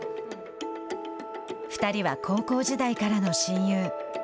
２人は高校時代からの親友。